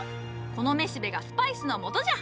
この雌しべがスパイスのもとじゃ！